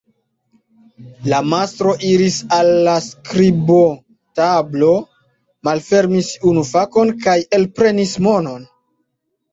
La mastro iris al la skribotablo, malfermis unu fakon kaj elprenis monon.